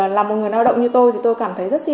làm một người lao động như tôi thì tôi cảm thấy rất xin